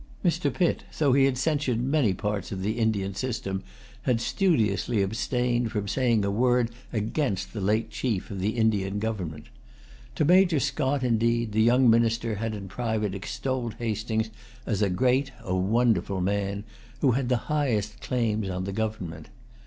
Mr. Pitt, though he had censured many parts of the Indian system, had studiously abstained from saying a word against the late chief of the Indian government. To Major Scott, indeed, the young minister had in private extolled Hastings as a great, a wonderful man, who had the highest claims on the government.